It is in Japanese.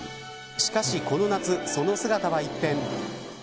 しかしこの夏、その姿は一変。